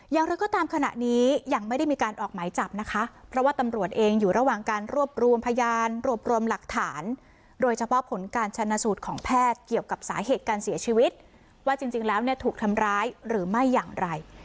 อย่างไรก็ตามขณะนี้ยังไม่ได้มีการออกหมายจับนะคะเพราะว่าตำรวจเองอยู่ระหว่างการรวบรวมพยานรวบรวมหลักฐานโดยเฉพาะผลการชนะสูตรของแพทย์เกี่ยวกับสาเหตุการเสียชีวิตว่าจริงแล้วเนี่ยถูกทำร้ายหรือไม่อย่างไร